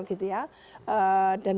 gitu ya dan